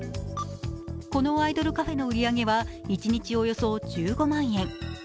このアイドルカフェの売り上げは一日およそ１５万円。